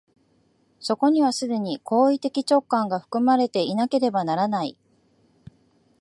そこには既に行為的直観が含まれていなければならない。